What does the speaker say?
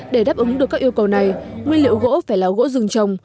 để đáp ứng được các yêu cầu này nguyên liệu gỗ phải là gỗ rừng trồng